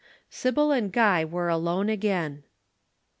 Sybil and Guy were alone again.